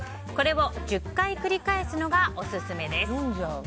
これを１０回繰り返すのがオススメです。